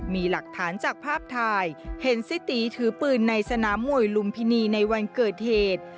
มีหลักฐานจากภาพถ่ายเห็นซิตีถือปืนในสนามมวยลุมพินีในวันเกิดเหตุ